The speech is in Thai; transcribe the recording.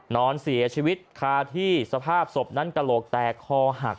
นอนเสียชีวิตคาที่สภาพศพนั้นกระโหลกแตกคอหัก